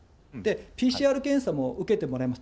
ＰＣＲ検査も受けてもらいます。